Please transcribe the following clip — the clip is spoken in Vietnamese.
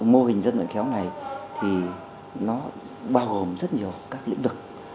mô hình dân vận khéo này thì nó bao gồm rất nhiều